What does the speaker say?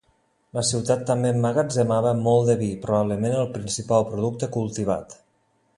La ciutat també emmagatzemava molt de vi, probablement el principal producte cultivat.